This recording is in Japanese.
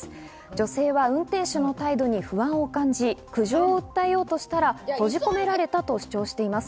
女性は運転手の態度に不安を感じ、苦情を訴えようとしたら閉じ込められたと主張しています。